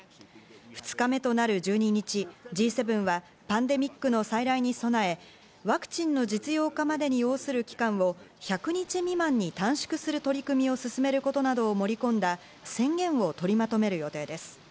２日目となる１２日、Ｇ７はパンデミックの再来に備え、ワクチンの実用化までに要する期間を１００日未満に短縮する取り組みを進めることなどを盛り込んだ宣言を取りまとめる予定です。